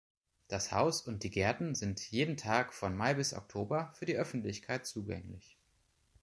Das Haus und die Gärten sind jeden Tag von Mai bis Oktober für die Öffentlichkeit zugänglich.